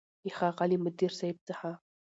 له ښاغلي مدير صيب څخه